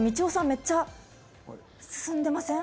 めっちゃ進んでません？